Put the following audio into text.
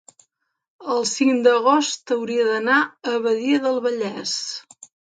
el cinc d'agost hauria d'anar a Badia del Vallès.